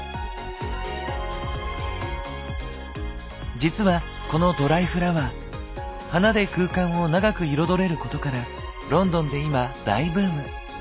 実はこのドライフラワー花で空間を長く彩れることからロンドンで今大ブーム！